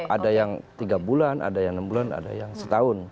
ada yang tiga bulan ada yang enam bulan ada yang setahun